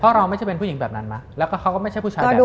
เพราะเราไม่ใช่เป็นผู้หญิงแบบนั้นมั้ยแล้วก็เขาก็ไม่ใช่ผู้ชายแบบนั้น